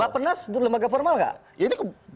bapak penas lembaga formal nggak